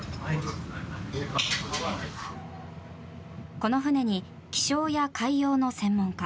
この船に気象や海洋の専門家